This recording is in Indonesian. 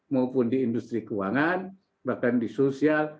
maupun di industri keuangan bahkan di sosial